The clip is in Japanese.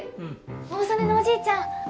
大曾根のおじいちゃん。